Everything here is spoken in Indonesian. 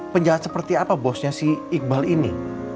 penjahat seperti apa bosnya si iqbal ini